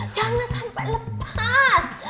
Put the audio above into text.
jangan sampai lepas